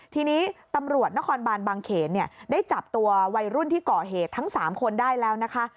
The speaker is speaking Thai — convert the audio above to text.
ทีนี้ตำรวจนครบานบางเขนเนี่ยได้จับตัววัยรุ่นที่ก่อเหตุทั้ง๓คนได้แล้วนะคะ